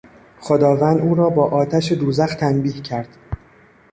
خداوند او را با آتش دوزخ تنبیه کرد.